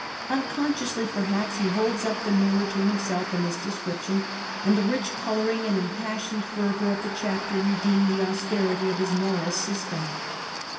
Un consciously, perhaps, he holds up the mirror to himself in this description, and the rich colouring and impassioned fervour of the chapter redeem the austerity of his moral system.